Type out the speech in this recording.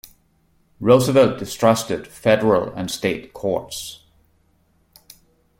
Roosevelt distrusted federal and state courts.